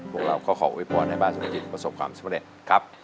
พวกเราก็ขอโว้ยพอดให้บ้านสมจิตประสบความสำเร็จครับ